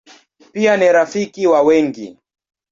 Pia ni rafiki wa wengi.